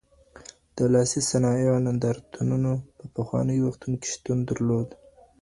د لاسي صنایعو نندارتونونو په پخوانیو وختونو کي شتون درلود؟